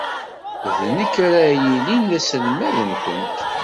D nekk ara yilin d aselmad-nwent.